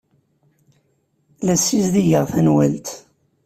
La ssizdigeɣ tanwalt.